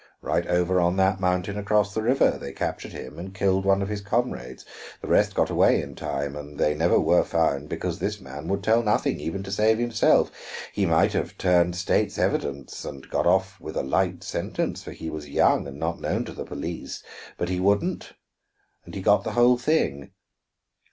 Right over on that mountain across the river, they captured him and killed one of his comrades. The rest got away in time, and they never were found because this man would tell nothing, even to save himself. He might have turned state's evidence and got off with a light sentence, for he was young and not known to the police. But he wouldn't and he got the whole thing.